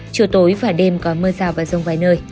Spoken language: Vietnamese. chiều tối và đêm có mưa rào và rông vài nơi